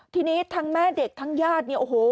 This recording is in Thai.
ทีนี้ทั้งแม่เด็กทั้งญาติเนี่ยโอ้โห